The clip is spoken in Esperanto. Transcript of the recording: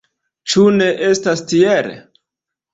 Ĉu ne estas tiel?